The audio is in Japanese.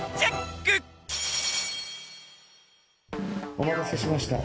お待たせしました。